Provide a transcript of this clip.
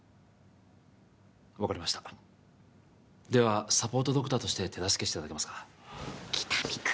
分かりましたではサポートドクターとして手助けしていただけますか喜多見君！